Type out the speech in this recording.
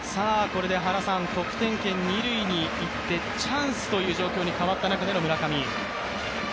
得点圏、二塁に行って、チャンスという状況に変わった中での村上。